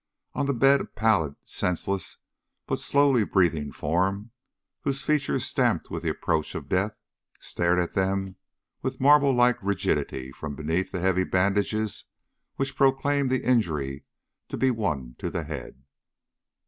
On the bed a pallid, senseless, but slowly breathing form, whose features, stamped with the approach of death, stared at them with marble like rigidity from beneath the heavy bandages which proclaimed the injury to be one to the head.